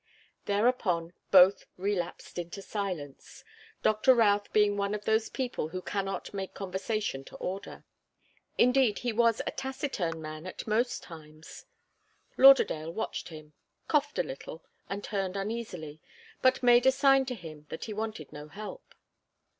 Thereupon both relapsed into silence, Doctor Routh being one of those people who cannot make conversation to order. Indeed, he was a taciturn man at most times. Lauderdale watched him, coughed a little and turned uneasily, but made a sign to him that he wanted no help.